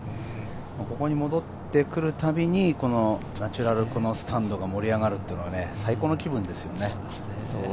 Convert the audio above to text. ここに戻ってくるたびに、このナチュラルスタンドが盛り上がるというのは最高な気分ですよね。